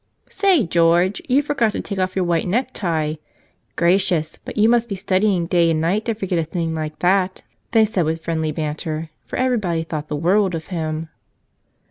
"Say, George, you forgot to take off your white necktie. Gracious ! but you must be studying day and night to forget a thing like that," they said with friend¬ ly banter; for everybody thought the world of him.